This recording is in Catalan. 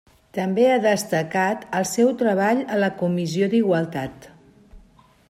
També ha destacat el seu treball en la Comissió d'Igualtat.